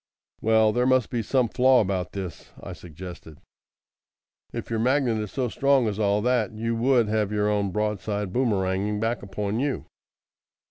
"Well, there must be some flaw about this," I suggested. "If your magnet is so strong as all that, you would have your own broadside boomeranging back upon you."